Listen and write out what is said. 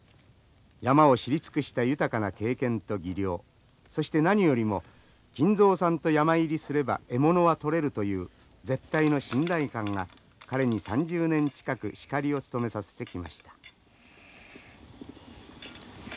山を知り尽くした豊かな経験と技量そして何よりも金蔵さんと山入りすれば獲物は取れるという絶対の信頼感が彼に３０年近くシカリを務めさせてきました。